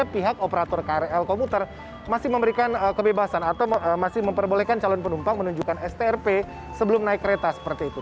pihak operator krl komuter masih memberikan kebebasan atau masih memperbolehkan calon penumpang menunjukkan strp sebelum naik kereta seperti itu